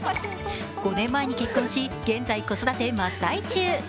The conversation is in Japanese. ５年前に結婚し、現在、子育て真っ最中。